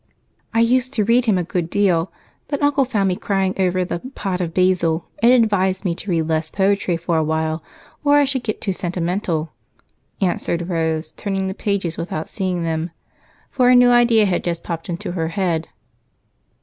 "I used to read him a good deal, but Uncle found me crying over the 'Pot of Basil' and advised me to read less poetry for a while or I should get too sentimental," answered Rose, turning the pages without seeing them, for a new idea had just popped into her head.